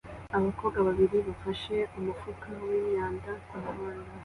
Abakobwa babiri bafashe umufuka wimyanda kumuhanda